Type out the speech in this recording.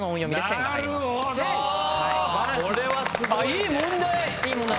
いい問題！